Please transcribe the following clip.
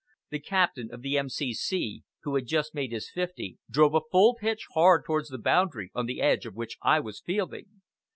The captain of the M.C.C., who had just made his fifty, drove a full pitch hard towards the boundary on the edge of which I was fielding.